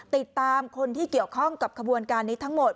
ติดตามคนที่เกี่ยวข้องกับขบวนการนี้ทั้งหมด